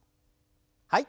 はい。